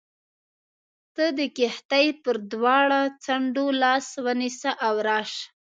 ته د کښتۍ پر دواړو څنډو لاس ونیسه او راشه.